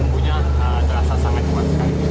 bumbunya terasa sangat kuat sekali